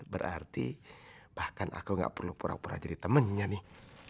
berarti bahkan aku gak perlu pura pura jadi temannya nih